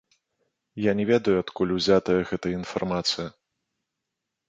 Я не ведаю адкуль узятая гэтая інфармацыя.